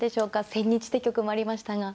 千日手局もありましたが。